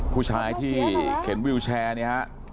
ผู้ชายที่เข็นวิวแชร์เนี่ยฮะ